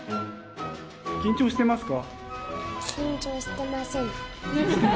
緊張してますか？